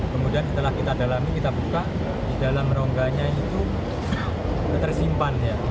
kemudian setelah kita dalami kita buka di dalam rongganya itu tersimpan ya